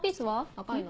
赤いの。